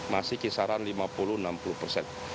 masih kisaran lima puluh enam puluh persen